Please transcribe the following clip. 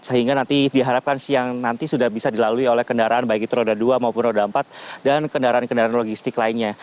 sehingga nanti diharapkan siang nanti sudah bisa dilalui oleh kendaraan baik itu roda dua maupun roda empat dan kendaraan kendaraan logistik lainnya